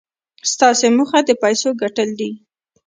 ستاسې موخه د پيسو ګټل دي.